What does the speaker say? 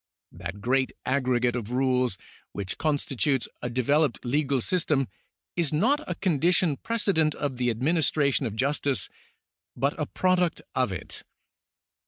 That great aggregate of rules which constitutes a developed legal system is not a condition precedent of the administration of justice, but a product of it.